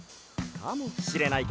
かもしれない